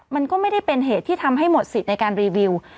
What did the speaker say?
มันก็ไม่ได้เป็นเหตุที่ทำให้หมดสิทธิ์ในการรีวิว